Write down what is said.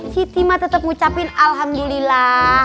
siti mah tetap ngucapin alhamdulillah